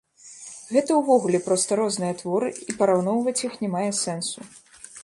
Гэта ўвогуле проста розныя творы, і параўноўваць іх не мае сэнсу.